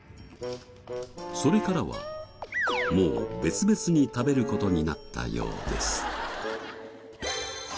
それからはもう別々に食べる事になったようです。